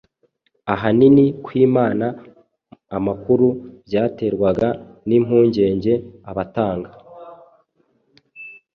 Ahanini kwimana amakuru byaterwaga n’impungenge abatanga